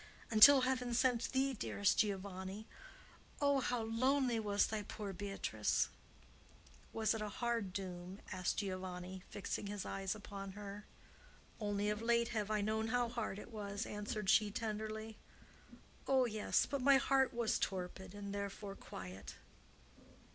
Until Heaven sent thee, dearest Giovanni, oh, how lonely was thy poor Beatrice!" "Was it a hard doom?" asked Giovanni, fixing his eyes upon her. "Only of late have I known how hard it was," answered she, tenderly. "Oh, yes; but my heart was torpid, and therefore quiet."